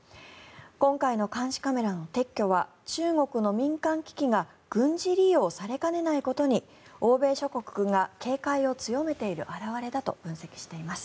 今回の監視カメラの撤去は中国の民間企業が軍事利用されかねないことに欧米諸国が警戒を強めている表れだと分析しています。